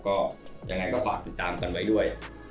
ก็ยังไงก็ฝากติดตามกันไว้ด้วย